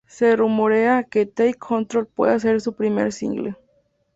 Se rumorea que "Take Control" pueda ser su primer single.